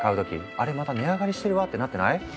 「あれまた値上がりしてるわ」ってなってない？